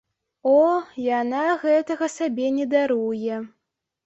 О, яна гэтага сабе не даруе!